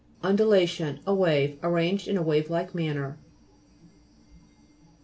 JNDULA'TION A wave ; arranged in a wave like manner.